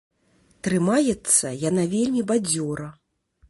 Трымаецца яна вельмі бадзёра.